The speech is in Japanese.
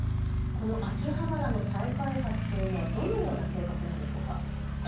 この秋葉原の再開発というのはどのような計画なのでしょうか。